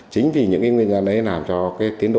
chính vì những cái nguyên nhân đấy làm cho cái tiến độ